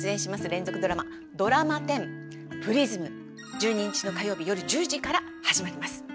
１２日の火曜日よる１０時から始まります。